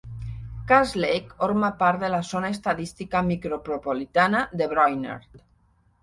Cass Lake orma part de la zona estadística micropropolitana de Brainerd.